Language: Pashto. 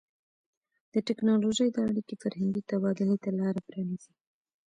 د ټیکنالوژۍ دا اړیکې فرهنګي تبادلې ته لار پرانیزي.